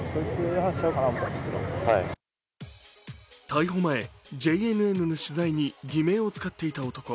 逮捕前、ＪＮＮの取材に偽名を使っていた男。